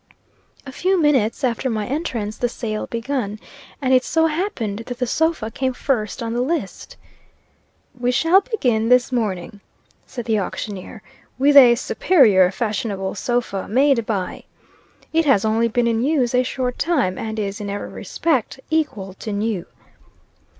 A few minutes after my entrance, the sale begun, and it so happened that the sofa came first on the list. "We shall begin this morning," said the auctioneer, "with a superior, fashionable sofa, made by . It has only been in use a short time, and is, in every respect, equal to new."